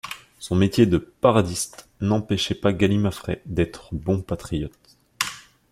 Son métier de paradiste n’empêchait pas Galimafré d’être bon patriote.